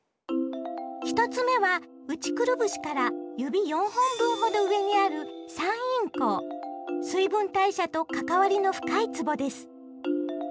１つ目は内くるぶしから指４本分ほど上にある水分代謝と関わりの深いつぼです。